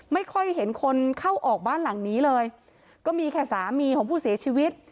ไม่ค่อยเห็นคนเข้าออกบ้านหลังนี้เลยก็มีแค่สามีของผู้เสียชีวิต